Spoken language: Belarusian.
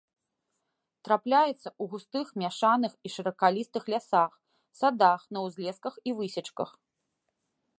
Трапляецца ў густых мяшаных і шыракалістых лясах, садах, на ўзлесках і высечках.